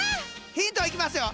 ヒントいきますよ